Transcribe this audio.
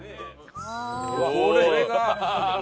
これが。